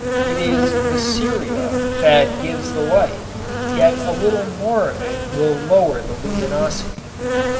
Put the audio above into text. It is the ceria that gives the light, yet a little more of it will lower the luminosity.